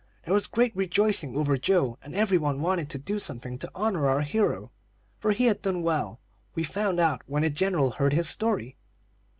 There was great rejoicing over Joe, and every one wanted to do something to honor our hero; for he had done well, we found out, when the General heard his story.